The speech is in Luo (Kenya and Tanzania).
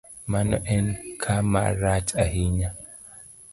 Mano en kama rach ahinya